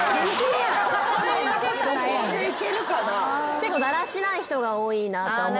結構だらしない人が多いなと思います。